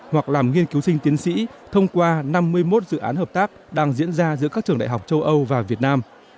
hoặc làm nghiên cứu sinh tiến sĩ thông qua năm mươi một dự án hợp tác đang diễn ra giữa các trường đại học châu âu và việt nam